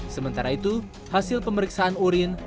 sementara itu hasil pemeriksaan urin